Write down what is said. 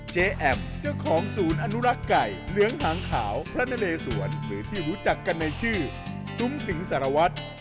แอมเจ้าของศูนย์อนุรักษ์ไก่เหลืองหางขาวพระนเลสวนหรือที่รู้จักกันในชื่อซุ้มสิงสารวัตร